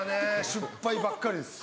失敗ばっかりです。